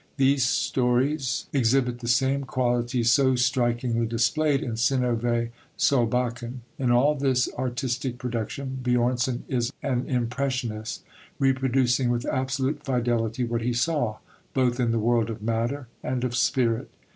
These stories exhibit the same qualities so strikingly displayed in Synnövé Solbakken. In all this artistic production Björnson is an impressionist, reproducing with absolute fidelity what he saw, both in the world of matter and of spirit.